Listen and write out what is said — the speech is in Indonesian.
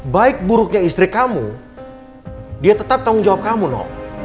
baik buruknya istri kamu dia tetap tanggung jawab kamu no